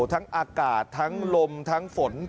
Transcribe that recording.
ทั้งอากาศทั้งลมทั้งฝน